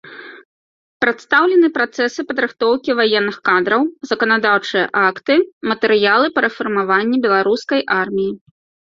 Прадстаўлены працэсы падрыхтоўкі ваенных кадраў, заканадаўчыя акты, матэрыялы па рэфармаванні беларускай арміі.